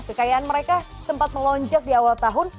kekayaan mereka sempat melonjak di awal tahun